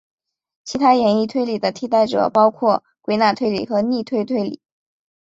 其他演绎推理的替代者包括归纳推理和逆推推理。